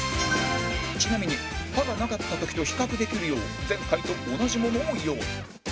ちなみに歯がなかった時と比較できるよう前回と同じものを用意